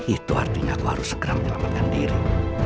itu artinya aku harus segera menyelamatkan diri